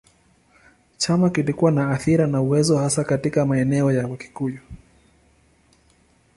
Chama kilikuwa na athira na uwezo hasa katika maeneo ya Wakikuyu.